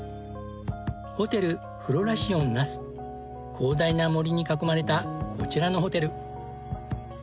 広大な森に囲まれたこちらのホテル。